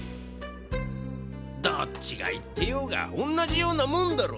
どっちが言ってようが同じようなもんだろ？